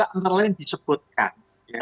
antara lain disebutkan